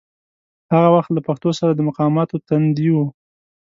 هغه وخت له پښتو سره د مقاماتو تندي و.